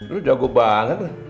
lu jago banget